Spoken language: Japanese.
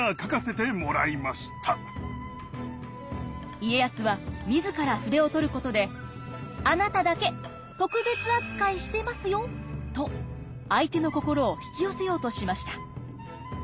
家康は自ら筆を執ることであなただけ特別扱いしてますよと相手の心を引き寄せようとしました。